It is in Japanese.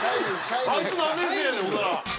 あいつ何年生やねんほんなら。